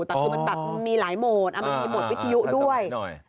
แต่มันมีหลายโหมดอันนี้เป็นโหมดวิทยุด้วย